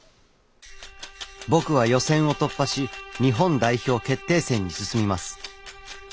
僕は予選を突破し日本代表決定戦に進みます。